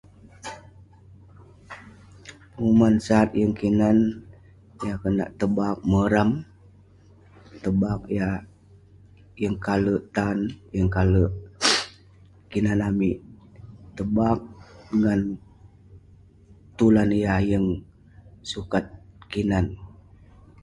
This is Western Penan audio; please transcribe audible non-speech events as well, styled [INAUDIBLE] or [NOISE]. Penguman sat yeng kinan, yah kenak tebaq morang, tebaq yah yeng kalek tan, yeng kalek [NOISE] kinan amik. Tebaq ngan tulan yah yeng sukat kinan.